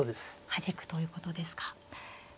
はじくということですか。